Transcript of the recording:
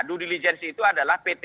due diligence itu adalah pt